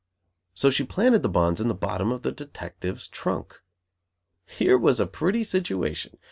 So she planted the bonds in the bottom of the detective's trunk. Here was a pretty situation.